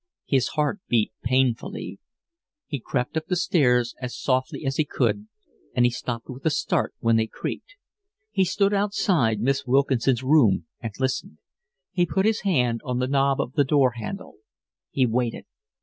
His heart beat painfully. He crept up the stairs as softly as he could, and he stopped with a start when they creaked. He stood outside Miss Wilkinson's room and listened; he put his hand on the knob of the door handle. He waited.